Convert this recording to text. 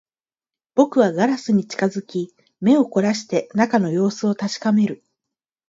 僕はガラスに近づき、目を凝らして中の様子を確かめる